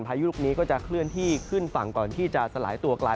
พายุลูกนี้ก็จะเคลื่อนที่ขึ้นฝั่งก่อนที่จะสลายตัวกลาย